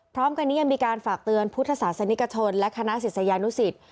พร้อมกันนี้ยังมีการฝากเตือนพุทธศาสนิกชนและคณะศิษยานุสิต